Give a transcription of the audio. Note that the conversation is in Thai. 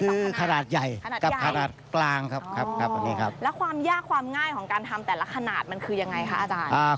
แล้วความยากความง่ายของการทำแต่ละขนาดมันคือยังไงคะอาจารย์